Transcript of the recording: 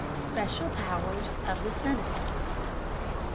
SPECIAL POWERS OF THE SENATE.